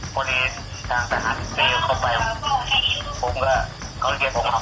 พอดีทางทหารเดินเข้าไปผมก็เขาเรียกผมครับ